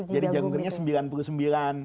jadi jagung keringnya sembilan puluh sembilan